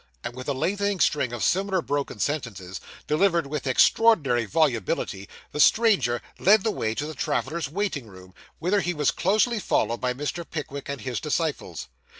And with a lengthened string of similar broken sentences, delivered with extraordinary volubility, the stranger led the way to the traveller's waiting room, whither he was closely followed by Mr. Pickwick and his disciples.